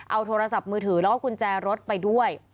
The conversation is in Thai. เอาโทรศัพท์มือถือแล้วก็กุญแจรถไปด้วย